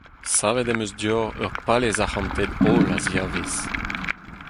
Savet em eus deoc'h ur palez arc'hantet-holl a-ziavaez.